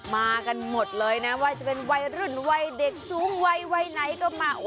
มากันหมดเลยนะว่าจะเป็นวัยรุ่นวัยเด็กสูงวัยวัยไหนก็มา